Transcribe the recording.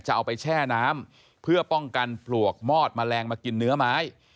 เอาไปแช่น้ำเพื่อป้องกันปลวกมอดแมลงมากินเนื้อไม้